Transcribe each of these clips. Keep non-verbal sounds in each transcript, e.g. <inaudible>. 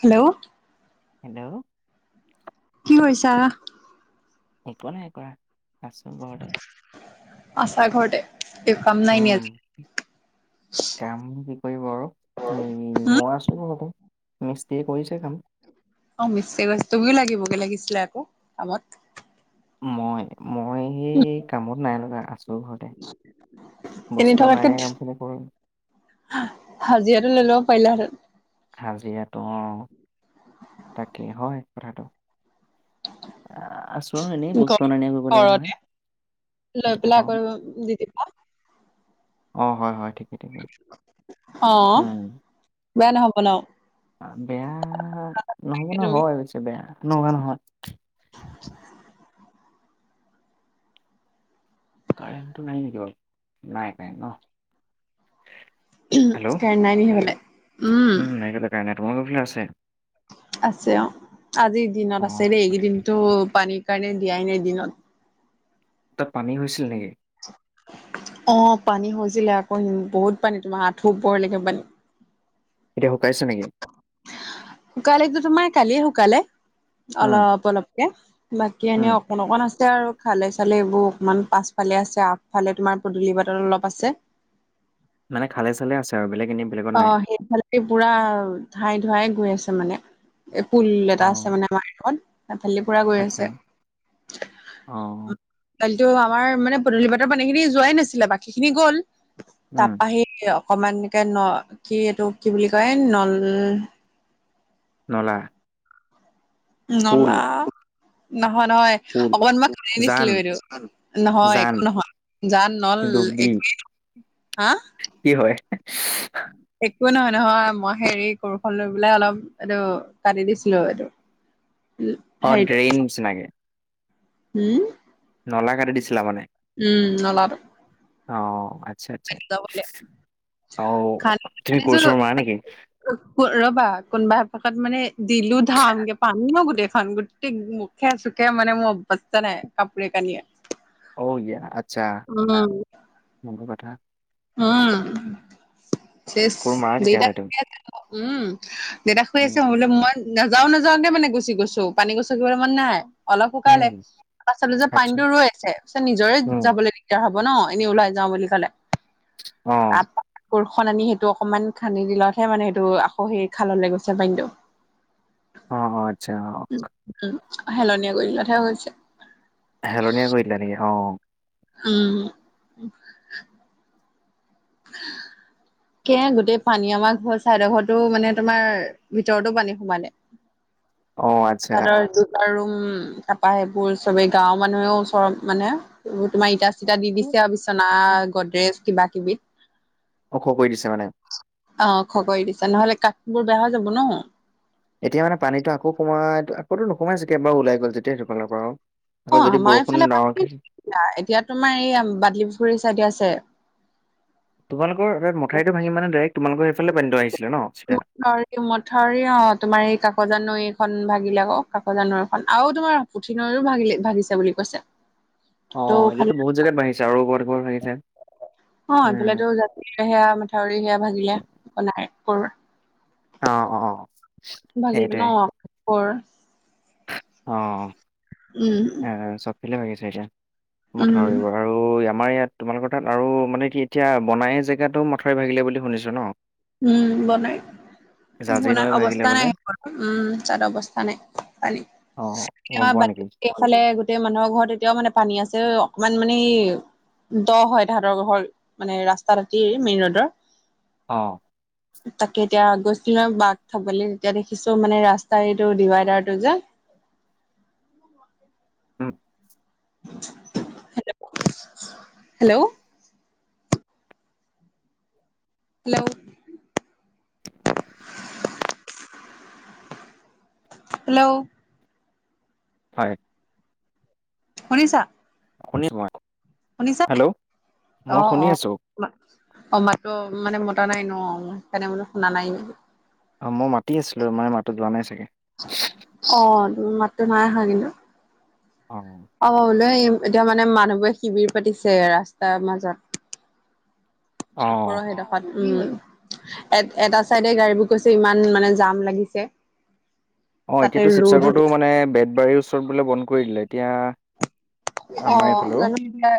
Hello. Hello. কি কৰিছা? একো নাই কৰা, আছোঁ ঘৰতে। আছা ঘৰতে? একো কাম নাই নি আজি? <inaudible> কাম কি কৰিব আৰু, এই মই আছোঁ ঘৰতে। মিস্ত্ৰীয়ে কৰিছে কাম। অ', মিস্ত্ৰী গৈছে। তুমিও লাগিবগে লাগিছিলে আকৌ, কামত। মই, মই, এই কামত নাই লগা, আছোঁ ঘৰতে। বস্তু অনা নিয়া কামখিনি কৰোঁ। হা-হাজিৰাটো লৈ ল'ব পাৰিলাহেতেন। হাজিৰাটো অ', তাকেই, হয় কথাটো। আ-আছোঁ আৰু এনেই ঘ বস্তু অনা নিয়া কৰিব লাগে নহয়। ঘৰতে লৈ সেইটোকে পেলাই কওঁ <unintelligible> অ', হয় হয়, ঠিক। <inaudible> অ', বেয়া নহ হ'ব ন? বেয়া নহ'ব ন' তুমি হয় বেছি বেয়া নোহোৱা নহয়। <inaudible> কাৰেণ্টটো নাই নেকি বাৰু? নাই নাই ন'? হেল্ল' উম কাৰেণ্ট নাই নি সেইফালে? উম <unintelligible> তোমালোকৰ ফালে আছে? আছে অ'। আজিৰ দিনত অ', আছে দেই, এইকেইদিনতো পানীৰ কাৰণে দিয়াই নাই দিনত। তাত পানী হৈছিল নেকি? অ', পানী হৈছিলে আকৌ ম-বহুত পানী, তোমাৰ আঁঠু ওপৰলৈকে পানী। এতিয়া শুকাইছে নেকি? শুকালে টো তোমাৰ কালিয়ে শুকালে, উম, অলপ অলপকে। বাকী এনে উম, অকণ অকণ আছে আৰু, খালে চালে এইবোৰ অকমান পাছফালে আছে আ ফালে তোমাৰ পদূলি বাটত অলপ আছে। মানে খালে চালে আছে? আৰু বেলেগ এনেই বেলেগত নাই। অ', সেইফালদি পুৰা ধাই ধুৱাই গৈ আছে মানে। এই পুল অ এটা আছে মানে আমাৰ হেইখন, হেইফালেদি পুৰা গৈ আচ্ছা, আছে। অ' অ'। কালিতো আমাৰ মানে পদূলি বাটৰ পানী খিনি যোৱাই নাছিলে, বাকী খিনি গ'ল। উম, তাৰপা আহি <inaudible> অকমান একে ন', কি এইটো কি বুলি কয়, নল নলা পুল, নলা নহয় নহয় পুল, অকনমান খানি জান, দিছিলো এইটো নহয় জান, একো নহয় জান, নল ডুবি একোৱেই নহয় হা কি হয় একো নহয় নহয় মই হেৰি কোৰ খন লৈ পেলাই অলপ এইটো কাটি দিছিলো এইটো। <inaudible> অ ড্ৰেগিননিচিনাকে হম নলা কাটি দিছিলা মানে উম নলাটো অ আচ্ছা আচ্ছা খান্দি যাবলে অ খান্দি তুমি কোৰ খান্দিছো ছোৰ মাৰা নেকি ৰ'বা কোনবা এপাকত মানে দিলো ধামকে পানী ন গোটেইখন গো মুখে-চুখে মানে মোৰ অভস্তা নাই কাপোৰে- কানিয়ে অ ইয়া আচ্ছা কথা অ চেচ কোৰ মাৰা তেতিয়াহ'লে ৱেদাৰ তুমি? উম দেউতা শুই উম, আছে মই বোলো মই নাযাও নাযাও কে মানে গুচি গৈছো পানী গছ'কিবলে মন নাই অলপ শুকালে উম পাছত চালোঁ যে আচ্ছা, পানীটো ৰৈ আছে পাছত নিজৰে উম, যাব লাগিলে দি দাৰ হ'ব ন এনে ওলাই যাওঁ বুলি ক'লে অ', আকৌ কোৰখন আনি সেইটো অকমান খান্দি দিলতহে মানে সেইটো আকৌ সেই খাললে গৈছে পানীতো <inaudible> অ অ আটচ্ছা অ উম হেলনীয়া কৰিলতহে হৈছে হেলনিয়া কৰিদিলা নেকি অ উম <unintelligible> <unintelligible> কে গোটেই পানী আমাৰ ঘৰ চাইদৰ ঘৰতো মানে তোমাৰ ভিতৰতো পানী সোমালে অ' আচ্ছা। তাহাতৰ আৰু উম তাপা সেইবোৰ চবেই গাঁওৰ মানুহেও ওচৰত মানে এইবোৰ তোমাৰ ইতা চিটা দি দিছে আৱ বিচনা, গডৰেজ কিবা কিবি ওখ কৰি দিছে মানে অ ওখকৰি দিছে নহলে কাঠবোৰ বেয়া হৈ যাব ন এতিয়া মানে পানীটো আকৌ সোমাই আকৌতো নোসোমাই চাগে এবাৰ ওলাই গল যেয়া সেইটোফালৰ পৰা আৰু অ আমাৰ এইফালে এতিয়া তোমাৰ এই বাদলি পুখুৰীৰ চাইডে আছে তোমালোকৰ সেয়াত মঠাওৰিটো ভাঙি মানে ডাইৰেক তোমালোকৰ সেইফালে পানীটো আহিছিলে ন চিধা? উম হয় মঠাওৰি অ তোমাৰ এই কাকজান নৈখন ভাগিলে ক কাকজান নৈখন আৰু তোমাৰ পুঠিনৈও ভাগিলে ভাগিছে বুলি কৈছে অ ত' খালি এতিয়াতো বহুত জেগাত ভাঙিছে আৰু ক'বাত ক'বাত ভাঙিছে অ উম, এইফালেটো জানাই সেয়া মথাউৰি সেয়া ভাঙিলে বনাই আকৌ অ অ ভাগিলে সেইটোৱে ন ঘৰ অ উম চবফিলে হৈ গৈছে এতিয়া উম, মথাৰিবোৰ আৰু আমাৰ ইয়াত, তোমালোকৰ তাত আৰু মানে কি এতিয়া বনাই জেগাটোও মথাওৰি ভাগিলে বুলি শুনিছো ন, উম বনাই জাঁজি বন নৈ ভাগিলে অৱস্থা বোলে নাই হেখন। উম তাৰ অৱস্থা নাই কালি। অ অ গম পোৱা নেকি। ইফালে গোটেই মানুহৰ ঘৰত এতিয়াও মানে পানী আছে অকমান মানে ই দ হয় তাহাঁতৰ ঘৰ মানে ৰাস্তা তাটে মেইন ৰোডৰ অ, তাকে এতিয়া গৈছিলো নহৈ বাক থবলৈ তেতিয়া দেখিছো মানে ৰাস্তা এইটো ডিভাইডাৰটো যে। উ, <unintelligible> হেল্ল', হেল্ল' হেল্ল' হয়, শুনিছা। শুনি শুনিছা হেল্ল মই শুনি আছো। অমাতো মানে মতা নাই ন সেইকাৰণে মানে শুনা নাই নেকি অঁ, মই মাতি আছিলো মানে মাতটো যোৱা নাই চাগে। অ, তুমি মাতটো নাইঅহা কিন্তু অ, অ লৈ আহিম এতিয়া মানে মানুহবোৰে শিবিৰ পাতিছে ৰাস্তাৰ মাজত অ ওপৰৰ সেই ত উম এ এটা চাইডে গাড়ীবোৰ গৈছে ইমান মানে জাম লাগিছে। <inaudible> অ এতিয়াতো ৰ'দো শিৱসাগৰ ৰতো মানে বেতবাৰীৰ ওচৰত বোলে বন্ধ কৰি দিলে এতিয়া অ আমাৰ এইফালেও জানো এতিয়া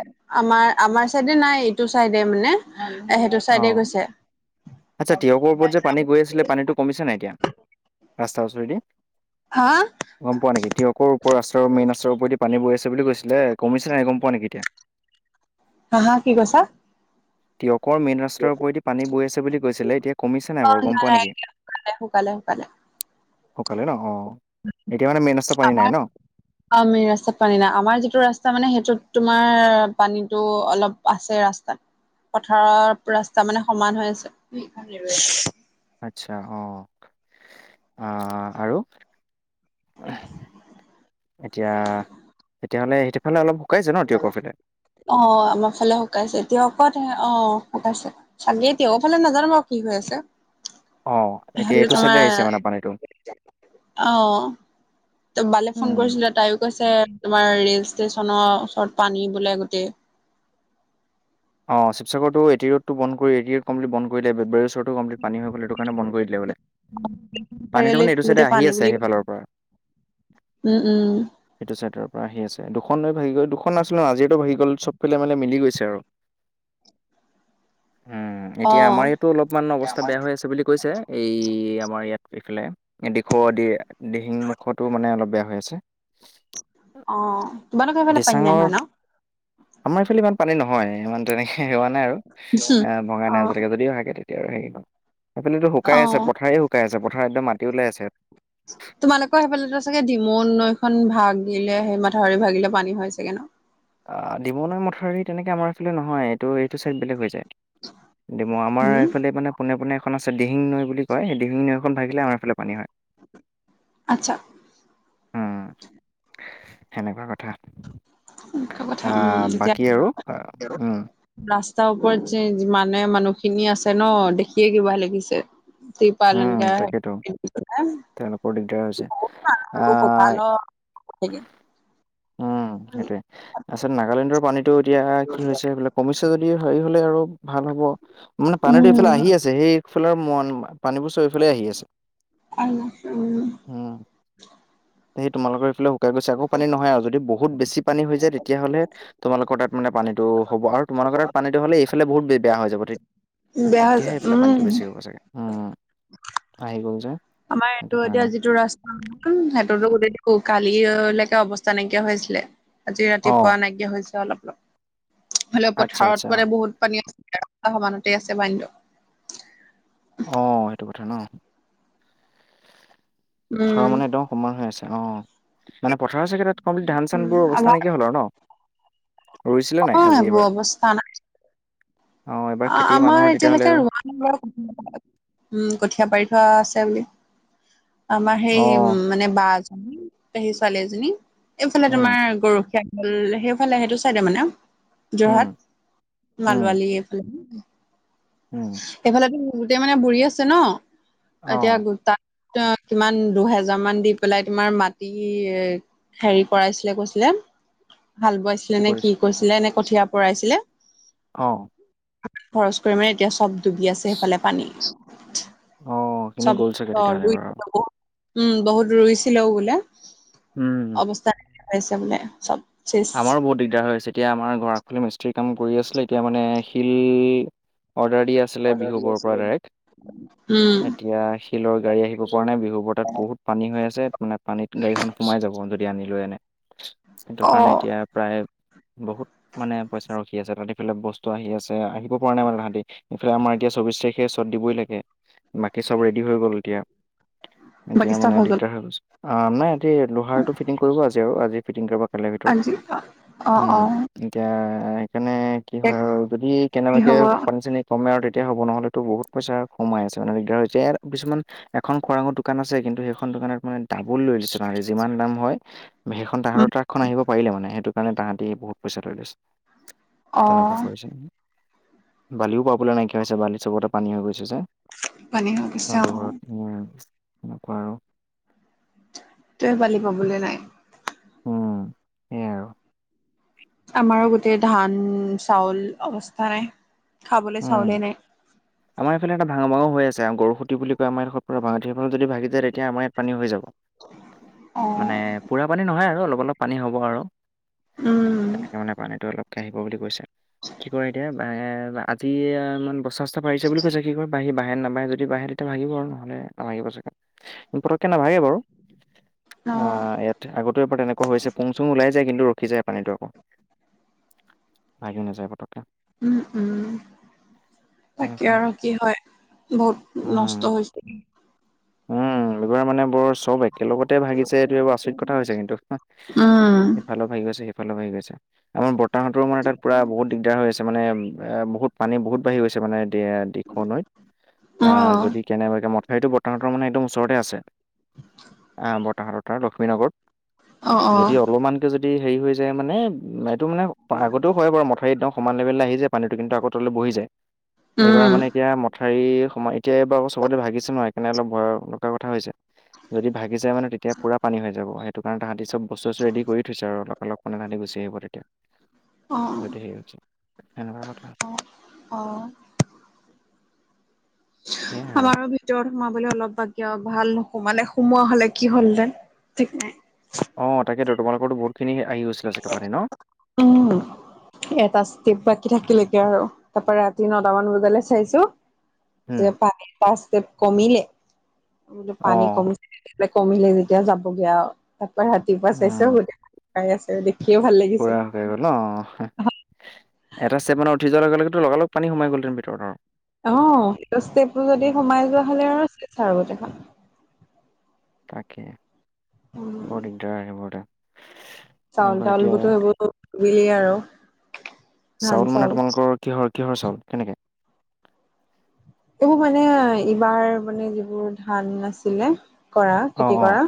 আমাৰ আমাৰ চাইডে নাই এইটো চাইডে মানে সেইটো অ চাইডে গৈছে আচ্ছা তিয়কৰ ওপৰত যে পানী গৈ আছিল পানীটো কমিছে নাই এতিয়া। ৰাস্তাৰ উচৰেদি হা, গম পোৱা নেকি তিয়কৰ ওপৰৰ ৰাস্তাৰ মেইন ৰাস্তাৰ ওপৰেডি পানী বৈ আছে বুলি কৈছিলে কমিছে নাই গম পোৱা নেকি এতিয়া। হা হা কি কৈছা। তিয়কৰ মেইন ৰাস্তাৰ ওপৰেদি পানী বৈ আছে বুলি কৈছিলে এতিয়া, কমিছে অ নাই বাৰু গম পোৱা নেকি। নাই শুকালে শুকালে শুকালে শুকালে ন অ এতিয়া মানে মেইন ৰাস্তাত পানী আমাৰ নাই ন। অ মেইন ৰাস্তাত পানী নাই আমাৰ যিটো ৰাস্তা মানে সেইটোত তোমাৰ পানীটো অলপ আছে ৰাস্তাত পথাৰৰ ৰাস্তা মানে সমান হৈ আছে আচ্ছা অ আহ আৰু এতিয়া তেতিয়াহলে সেইটোফালে অলপ শুকাইছে ন তীয়কৰ ফালে। অ আমাৰ ফালে শুকাইছে তিয়কত অ শুকাইছে আমি তিয়কৰ ফালে নাজানো বাৰো কি হৈ আছে। অ এতিয়া হ'লে এইটো চাইডে তোমাৰ আহিছে মানে পানীটো। অ, বালে ফোন উম। কৰিছিলে তাইও কৈছে তোমাৰ ৰেল ষ্টেচনৰ ওচৰত পানী বোলে গোটেই। অ' শিৱসাগৰটো এ টি ৰোডটো বন্ধ কৰি, এ টি ৰোড কমলি বন্ধ কৰি দিয়ে <unintelligible> তো কম্প্লেত পানী হৈ গ'ল, সেইটো কাৰনে বন্ধ কৰি দিলে বোলে। পানীটো মানে চাৰিআলিত এইটো চাইডে গোটেই আহি পানী আছে বুলি সেইফালৰ পৰা। উম, উম। সেইটো চাইডৰ পৰা আহি আছে। দুখন নৈ ভাগি গ'ল, দুখন নছিল আজিৰটো ভাগি গ'ল, চবফালে মানে মিলি গৈছে আৰু। উম, এতিয়া অ', আমাৰ ইয়াতো অলপমান অৱস্থা বেয়া হৈ আছে বুলি কৈছে। এই আমাৰ ইয়াত এইফালে দিখৌ দি, দিহিংমুখতো মানে অলপ বেয়া হৈ আছে। অ'। তোমালোকৰ সেইফালে পানী নাই দিচাঙৰ, হোৱা ন? আমাৰ এইফালে ইমান পানী নহয়, ইমান তেনেকে হোৱা নাই আৰু। এ, ভগা অ', নাই, যদিও ভাগে তেতিয়া আৰু হেৰি ন, সেইফালেতো শুকাই আছে, অ', পথাৰে শু কাই আছে, পথাৰ একদম মাটি ওলাই আছে। তোমালোকৰ সেইফালেটো চাগে ডিমু নৈখন ভাগিলে, সেই মাথাউৰি ভাগিলে পানী হয় চাগে ন'? অ' দিমৈ নৈ মথাউৰি তেনেকে আমাৰ এইফালে নহয় টো এইটো চাইড বেলেগ হৈ যায়। ডিমৌ, আমাৰ উম, এইফালে মানে পোনে পোনে এখন আছে দিহিং নৈ বুলি কয়, সেই দিহিং নৈখন ভাগিল আমাৰফালে পানী হয়। আচ্ছা। উম। সেনেকুৱা কথা। কথা আ, উম, এতিয়া বাকী আৰু উ ৰাস্তাৰ ওপৰত যে যিমানে মানুহখিনি আছে ন' দেখিয়ে কিবা লাগিছে। তিৰপাল উম তাকেতো এনেকে <unintelligible> তেওঁলোকৰ দিগদাৰ হৈছে। আ কঁকালৰ <unintelligible> উম সেইটোয়ে। আচলতে নাগালেণ্ডৰ পানীটো এতিয়া কি হৈছে এইবিলাক সমস্যা যদি হেৰি হ'লে আৰু ভাল হব, মানে পানীটো এইফালে আহি আছে সেই ফালৰ মন, পানীবোৰ চব এইফালে আহি আছে। উম, উম। সেই তোমালোকৰ কাই গৈছে আকৌ পানী নহয় আৰু যদি বহুত বেছি পানী হৈ যায় তেতিয়া হ'লে তোমালোকৰ তাত মানে পানীটো হ'ব আৰু তোমালোকৰ তাত পানীটো হ'লে এইফালে বহুত বে বেয়া হৈ যাব। বেয়া হৈ যা তেতিয়াহে এইফালে পানীটো উম। বেছি হ'ব চাগে। উম, আহি গ'ল যে। আমাৰ সেইটো এইটো এতিয়া কাৰণে। যিটো ৰাস্ত উ, সিহঁতোটো গোটেই কালিলৈকে অৱস্থা নাইকিয়া হৈ আছিলে। আজি অ', ৰাতিপুৱা নাইকিয়া হৈছে অলপ অলপ। হ'লেও আচ্ছা আচ্ছা পথাৰত মানে অ'। বহুত পানী আ <unintelligible> আহ'মানতে আছে পানীটো। অ' সেইটো কথা ন'? পথাৰৰ উম মানে একদম সমান হৈ আছে, অ'। মানে পথাৰৰ চাগে তাত কমপ্লি, ধান উম চানবোৰ অৱস্থা আমাৰ নাইকিয়া হ'ল আৰু ন'? অ ৰুইছিলে নাই আজি সেইবোৰ এইবাৰ? অ এইবাৰ খেতি আ-আমাৰ মানুহৰ তেতিয়াহ'লে এতিয়ালৈকে আৰু ৰোৱা <unintelligible> উ, কঠীয়া পাৰি থোৱা আছে বুলি। আমাৰ সেই অ উম, মানে বাজনী, পেহীৰ ছোৱালী এজনী এইফালে উম তোমাৰ গৰখীয়া উম, সেইফালে সেইটো চাইডে মানে আউ উম যোৰহাট, উম মালোৱালি এইফালে। উম। সেইফালে গোটেই মানে বুৰি আছে ন' অ এতিয়া তাত <unintelligible> কিমান দুহেজাৰ মান দি পেলাই তোমাৰ মাটি এ, হেৰি কৰাইছিলে কৈছিলে। হাল বোৱাছিলে, নে কি কৈছিলে, নে কঠিয়া পৰাইছিলে। অ খৰচ কৰি মানে এতিয়া চব ডুবি আছে সেইফালে পানী অ খিনি চব গ'ল চাগে তেতিয়াহ'লে ৰুই বাৰু উম বহুত ৰুইছিলেও বোলে। উম অৱস্থা নাইকিয়া হৈ আছে বোলে চব শেষ। আমাৰো বহুত দিগদাৰ হৈ আছে, এতিয়া আমাৰ ঘৰ ফালে মিস্ত্ৰী কাম কৰি আছিলে। এতিয়া মানে শিল অৰ্ডাৰ দিয়া আছিলে বিহুবৰৰ পৰা ডাইৰেক্ট, উম এতিয়া শিলৰ গাড়ী আহিব পৰা নাই বিহুবৰ তাত বহুত পানী হৈ আছে মানে, পানীত গাড়ীখন সোমাই যাব যদি আনি লৈ আনে। অ মানে এতিয়া প্ৰায় বহুত মানে পইচা ৰখি আছে তাত বস্তু আহি আছে আহিব পৰা নাই মানে তাহাঁতি ইফালে আমাৰ এতিয়া চৌবিশ তাৰিখে শ্বট দিবই লাগে বাকী চব ৰেডি হৈ গ'ল এতিয়া এতিয়া বাকী চব মানে গ'ল দিগদাৰ হৈ গৈছ অ নাই লোহাৰটো ফিটিং কৰিব আজি আৰু আজি ফিটিং কৰিব কালিৰ ভিতৰত আজি অ উম অ এতিয়া সেইকাৰণে কি হয় এতিয়া আৰু যদি কি কেনেবাকে হব পানী চানি কমে আৰু তেতিয়া হ'ব নহ'লেতো বহুত পইচা সোমাই আছে মানে দিগদাৰ হৈছে ইয় কিছুমান এখন খোৰাঙৰ দোকান আছে কিন্তু সেইখন দোকানত মানে ডাবুল লৈছে মানে যিমান দাম হয় সেইখন তাহাঁৰ উম, ট্ৰাকখন আহিব পাৰিলে মানে সেইটো কাৰণে তাহাঁতি বহুত পইচা লৈছে অ তেনেকুৱা কৈছে বালিও পাবলৈ নাইকিয়া হৈছে, বালি চবতে পানী হৈ গৈছে যে। পানী হৈ গৈছে মাটি অ বোৰ উম, তেও বালি পাবলৈ নাই। উম, সেয়াই আৰু আমাৰো গোটেই ধান, চাউল অৱস্থা নাই, খাবলৈ উম। চাউলে নাই। আমাৰ এইফালে এটা ভাঙো ভাঙো হৈ আছে আ গৰুসুতি বুলি কয় আমাৰ এই দখত পৰা যদি ভাগি যে তেতিয়া আমাৰ ইয়াত পানী হৈ যাব অ মানে পুৰা পানী নহয় আৰু অলপ অলপ পানী হ'ব আৰু উম তাকে মানে পানীটো অলপকৈ আহিব বুলি কৈছে। কি কৰে এতিয়া আজি ইমান বস্তাতা বাঢ়িছে বুলি কৈছে কি ক বাহি বাহি বাঢ়ে নাবাঢে যদি বাঢ়ে তেতিয়া ভাবিব আৰু নহ'লে নাভাবিব চাগে পটকে নাভাগে বাৰু অ আহ ইয়াত আগতে এবাৰ পৰা তেনেকুৱা হৈছে পুং চুং ওলাই যায় কিন্তু ৰখি যায় পানীটো আকৌ ভাগি নাযায় পতককে উম উম তাকে সেনেকুৱা। আৰু কি হয় বহুত উম, নষ্ট হৈছে উম এইবাৰ মানে বৰ চব একেলগতে ভাগিছে স এইটো এইবোৰ আচৰিত কথা হৈছে কিন্তু উম এইফালে ভাঙি গৈছে সেইফালে ভাঙি গৈছে আমাৰ বৰ্তাহঁতৰ মানে তাত পুৰা বহুত দিগদাৰ হৈ আছে মানে এ বহুত পানী বহুত বাঢ়ি গৈছে মানে দিখ নৈত অ আহ যদি কেনে বাকে মথাউৰিটো বৰ্তমানৰ মানে একদম ওচৰতে আছে অ বতাহত তাৰ লক্ষ্মী নগৰত অ অ যদি অলপমান যদি হেৰি হৈ যায় মানে এইটো মানে আগতেও হয় বাৰু মথাৰি একদম সমান লেভেললৈ আহিায় পানীটো কিন্তু আগতলৈ বহি যায় এইবাৰ উম মানে এতিয়া মথাৰৰি সম এতিয়া এইবাৰ চবতে ভাগিছে নহয় সেইকাৰণে অলপ ভয় লগা কথা হৈছে যদি ভাগি যায় মানে তেতিয়া পুৰা পানী হৈ যাব সেইটো কাৰণে তাহাঁতি চব বস্তু আস্তু ৰেডি কৰি থৈছে আৰু লগ মানে তাহাঁতি গুচি আহিব তেতিয়া অ', উতি য তেনেকুৱা কথা অ', অ সেয়াই আৰু আমাৰো ভি ভিতৰত সোমাবলৈ অলপ বাকিয় ভাল নুশোমালে সোমোৱা হলে কি হ'ল হ'লে ঠিক নাই অঁ তাকেতো তোমালোকৰো বহুখিনি আহি গৈছিলেতো পানী ন। উমঁ! এটা ষ্টেপ বাকী থাকিলে এতিয়া আৰু তাৰ পৰা ৰাতি নটামান বজালে চাইছোঁ যে উম পাই পাঁচ ষ্টপ কমিলে। মই বোলো অ পানী কমি কমিলে যেতিয়া যাবগে আও তাৰপৰা ৰাতিপুৱা চাইছো উম বো চাই আছে দেখিয়ও ভাল লাগিছে। পাই গ'ল ন। এটা ষ্ঠেপ মানত উঠি যোৱাৰ লগে লগে লগালগ পানী সোমাই গ'ল তে ভিতৰত অ অঁ সেইটো ষ্টেপটো যদি সোমাই যোৱা হ'লে আৰু চেছ আৰু গোতেইখন। তাকে উম, বৰ দিগদাৰ সেইবোৰ এটা চাউন তটাউল বোৰতো সেইবোৰ বোইলে আৰু চাউল মানে তোমালোকৰ কিহৰ কিহৰ চাউল কেনেকে? এইবোৰ মানে এইবাৰ মানে যিবোৰ ধান আছিলে কৰা অ খেতি অ কৰা।